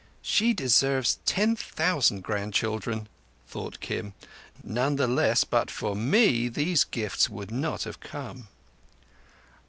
"She deserves ten thousand grandchildren," thought Kim. "None the less, but for me, those gifts would not have come."